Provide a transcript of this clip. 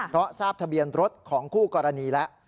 เพราะทราบทะเบียนรถของคู่กรณีแล้ว